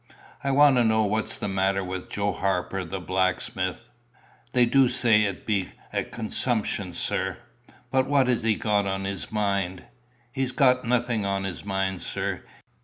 "I want to know what's the matter with Joe Harper, the blacksmith." "They du say it be a consumption, sir." "But what has he got on his mind?" "He's got nothing on his mind, sir.